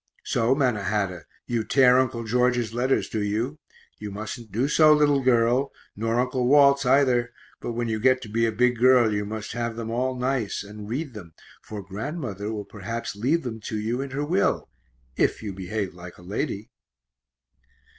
So, Mannahatta, you tear Uncle George's letters, do you? You mustn't do so, little girl, nor Uncle Walt's either; but when you get to be a big girl you must have them all nice, and read them, for Grandmother will perhaps leave them to you in her will, if you behave like a lady.